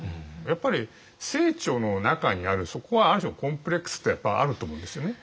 やっぱり清張の中にあるそこはある種のコンプレックスってやっぱあると思うんですよね。